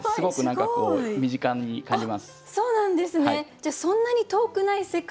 じゃあそんなに遠くない世界？